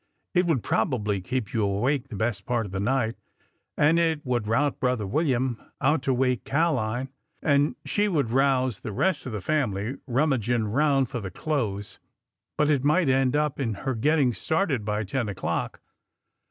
'' It would probably keep you awake the best part of the night, and it would rout brother William out to wake Ca'line, and she would rouse the rest of the family rummaging around for the clothes,— but it might end in her getting started by ten o'clock